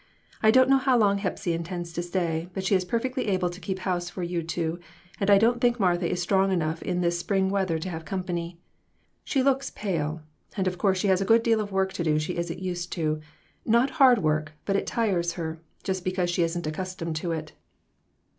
I don't know how long Hepsy intends to stay, but she is perfectly able to keep house for you two, and I don't think Martha is strong enough in this spring weather to have company. She looks pale, and of course she has to do a good deal of work she isn't used to; not hard work, but it tires her, just because she isn't accustomed to it." 122 RECONCILIATIONS.